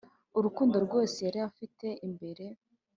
urukundo rwose yari afite imbere.